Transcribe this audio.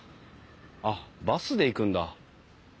あっバスで行くんだ。